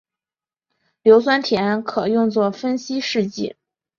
硫酸铁铵可当作分析试剂。